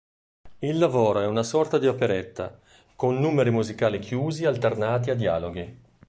Il lavoro è una sorta di operetta, con numeri musicali chiusi alternati a dialoghi.